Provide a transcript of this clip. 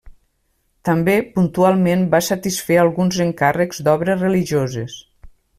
També, puntualment va satisfer alguns encàrrecs d'obres religioses.